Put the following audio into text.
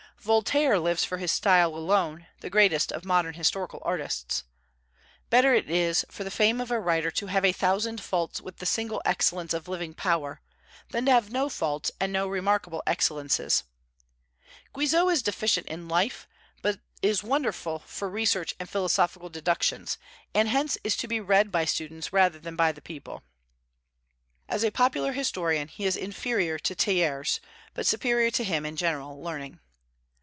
Voltaire lives for his style alone, the greatest of modern historical artists. Better it is for the fame of a writer to have a thousand faults with the single excellence of living power, than to have no faults and no remarkable excellences. Guizot is deficient in life, but is wonderful for research and philosophical deductions, and hence is to be read by students rather than by the people. As a popular historian he is inferior to Thiers, but superior to him in general learning.